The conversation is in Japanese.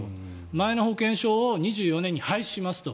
マイナ保険証を２４年に廃止しますと。